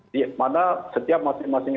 di mana setiap masing masing